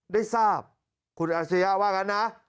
ได้ทราบคุณอาชญาว่ากันนะ